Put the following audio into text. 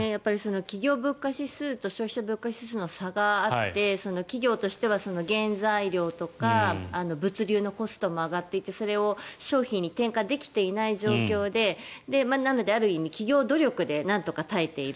企業物価指数と消費者物価指数の差があって企業としては原材料とか物流のコストも上がっていてそれを商品に転嫁できていない状況でなので、ある意味企業努力でなんとか耐えている。